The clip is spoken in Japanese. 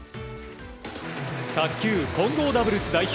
卓球混合ダブルス代表